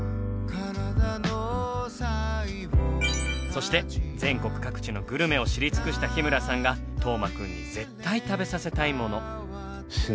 そして全国各地のグルメを知り尽くした日村さんが斗真くんに絶対食べさせたいもの。